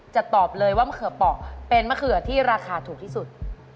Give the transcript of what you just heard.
จะตอบเลยว่ามะเขือเปาะเป็นมะเขือที่ราคาถูกที่สุด